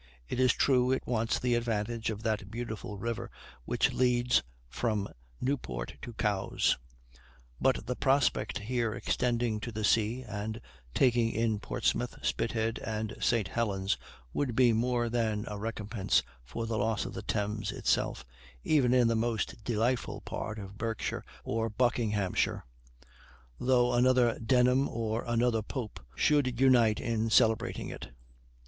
It is true it wants the advantage of that beautiful river which leads from Newport to Cowes; but the prospect here extending to the sea, and taking in Portsmouth, Spithead, and St. Helen's, would be more than a recompense for the loss of the Thames itself, even in the most delightful part of Berkshire or Buckinghamshire, though another Denham, or another Pope, should unite in celebrating it.